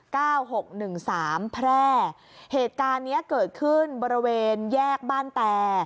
หกหนึ่งสามแพร่เหตุการณ์เนี้ยเกิดขึ้นบริเวณแยกบ้านแต